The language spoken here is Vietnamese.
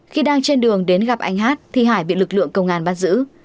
khi đang trên đường đến gặp anh hát thì hải bị lực lượng công an bắt giữ